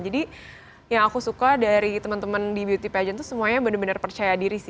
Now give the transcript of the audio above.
jadi yang aku suka dari temen temen di beauty pageant itu semuanya benar benar percaya diri